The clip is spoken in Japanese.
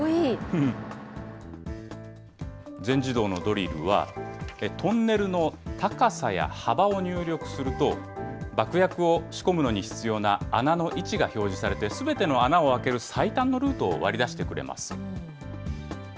全自動のドリルは、トンネルの高さや幅を入力すると、爆薬を仕込むのに必要な穴の位置が表示されて、すべての穴を開ける最短のルートを割りだしてくれます。